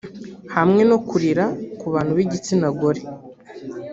hamwe no kurira ku bantu b’igitsina gore